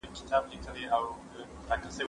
زه کتاب ليکلی دی!.